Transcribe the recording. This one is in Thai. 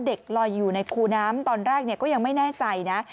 ลอยอยู่ในคูน้ำตอนแรกก็ยังไม่แน่ใจนะ